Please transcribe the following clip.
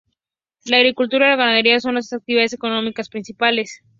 La agricultura y la ganadería son las actividades económicas principales.